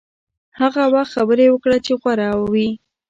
هغه وخت خبرې وکړه چې غوره وي.